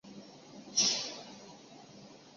席格本身是名无神论者。